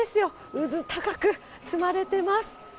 うずたかく積まれてます。